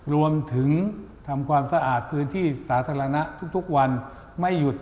รวมถึงทำความสะอาดพื้นที่สาธารณะทุกวันไม่หยุด